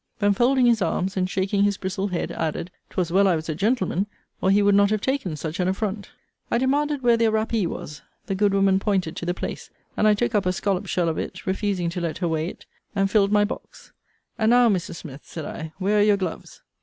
Then folding his arms, and shaking his bristled head, added, 'twas well I was a gentleman, or he would not have taken such an affront. I demanded where their rappee was? the good woman pointed to the place; and I took up a scollop shell of it, refusing to let her weight it, and filled my box. And now, Mrs. Smith, said I, where are your gloves?